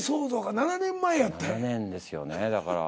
７年ですよねだから。